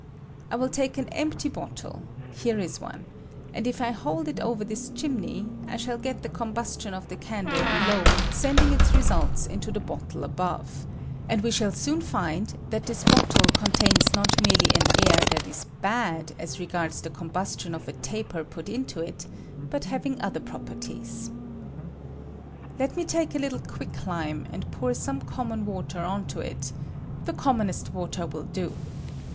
I will take an empty bot tle — here is one — and if I hold it oyer this chimney, I shall get the combustion of the can dle below sending its results into the bottle I GASEOUS PIIODUCTS OF COMBUSTION. 143 above ; and we shall soon find that this bottle contains not merely an air that is bad as regards the combustion of a taper put into it, but hav ing other properties. Let me take a little quick lime and pom some common water on to it — the commonest water will do.